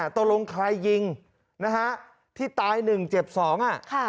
ตรงลงใครยิงที่ตายหนึ่งเจ็บสอง